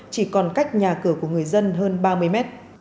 chỉ còn cách nhà cửa của người dân hơn ba mươi mét